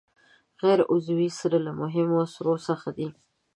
غیر عضوي سرې له مهمو سرو څخه دي.